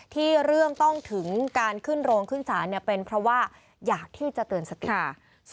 เรื่องต้องถึงการขึ้นโรงขึ้นศาลเป็นเพราะว่าอยากที่จะเตือนสติค่ะ